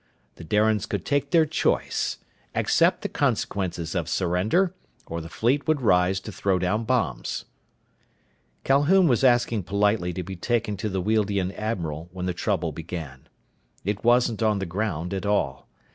The Darians could take their choice: accept the consequences of surrender, or the fleet would rise to throw down bombs. Calhoun was asking politely to be taken to the Wealdian admiral when the trouble began. It wasn't on the ground, at all.